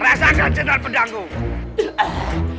rasakan cendera pedangku